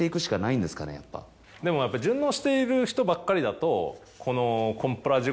でもやっぱ順応している人ばっかりだとこの。